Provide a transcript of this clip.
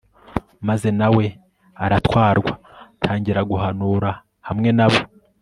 maze na we aratwarwa, atangira guhanura hamwe na bo